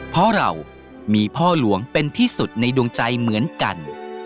เพราะเรามีพ่อหลวงเป็นที่สุดในดวงใจเหมือนกัน